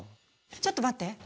ちょっと待って！